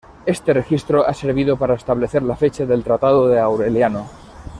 Este registro ha servido para establecer la fecha del tratado de Aureliano.